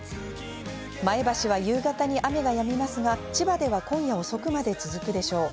前橋は夕方に雨がやみますが千葉では今夜遅くまで続くでしょう。